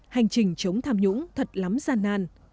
hành trình chống tham nhũng thật lắm gian nan